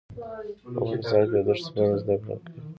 افغانستان کې د دښتې په اړه زده کړه کېږي.